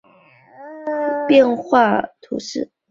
吕伊涅人口变化图示